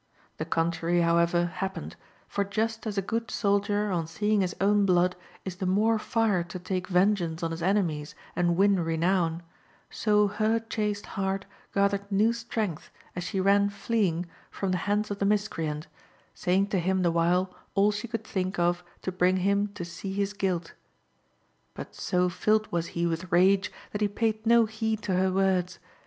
The contrary, however, happened, for just as a good soldier, on seeing his own blood, is the more fired to take vengeance on his enemies and win renown, so her chaste heart gathered new strength as she ran fleeing from the hands of the miscreant, saying to him the while all she could think of to bring him to see his guilt. But so filled was he with rage that he paid no heed to her words.